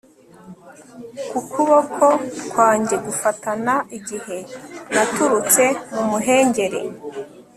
ku kuboko kwanjye gufatana igihe naturitse mu muhengeri